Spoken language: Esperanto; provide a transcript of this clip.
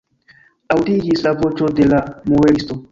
Aŭdiĝis la voĉo de la muelisto.